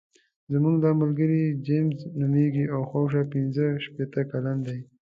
زموږ دا ملګری جیمز نومېږي او شاوخوا پنځه شپېته کلن دی.